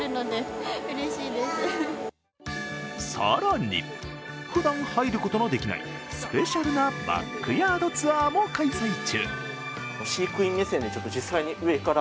更に、ふだん入ることのできないスペシャルなバックヤードツアーも開催中。